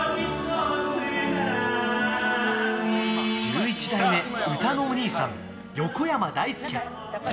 １１代目、歌のおにいさん横山だいすけ。